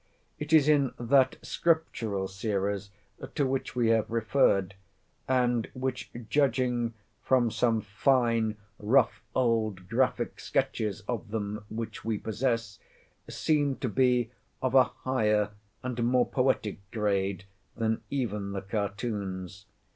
It is in that scriptural series, to which we have referred, and which, judging from some fine rough old graphic sketches of them which we possess, seem to be of a higher and more poetic grade than even the Cartoons.